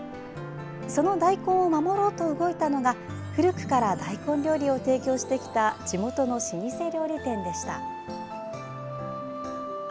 その大根を守ろうと動いたのが古くから大根料理を提供してきた地元の老舗料理店でした。